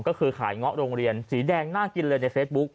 ก็คือขายเงาะโรงเรียนสีแดงน่ากินเลยในเฟซบุ๊ค